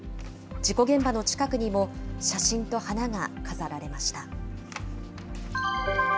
事故現場の近くにも写真と花が飾られました。